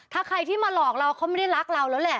ถ้าใครที่มาหลอกเราเขาไม่ได้รักเราแล้วแหละ